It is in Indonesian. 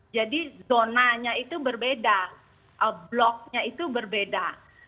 jadi zonanya itu berbeda bloknya itu berbeda